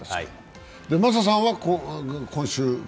昌さんは今週。